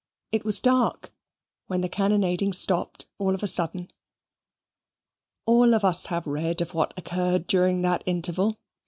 It was dark when the cannonading stopped all of a sudden. All of us have read of what occurred during that interval.